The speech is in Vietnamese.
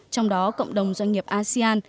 trong đó cộng đồng doanh nghiệp asean